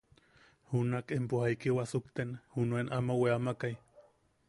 –¿Junak empo jaiki wasukten junuen ama weamakai?